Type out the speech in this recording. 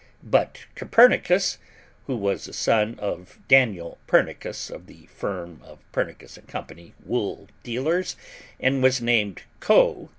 But Copernicus (who was a son of Daniel Pernicus, of the firm of Pernicus & Co., wool dealers, and who was named Co.